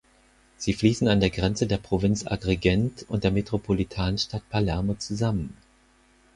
Sie fließen an der Grenze der Provinz Agrigent und der Metropolitanstadt Palermo zusammen.